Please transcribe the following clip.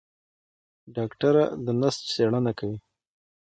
ډاکټره د نسج څېړنه کوي.